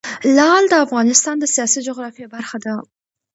لعل د افغانستان د سیاسي جغرافیه برخه ده.